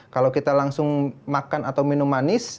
kalau kita langsung makan atau minum manis